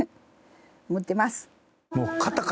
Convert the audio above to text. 思ってます！